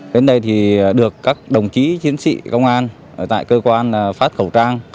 đến đây thì được các đồng chí chiến sĩ công an tại cơ quan phát khẩu trang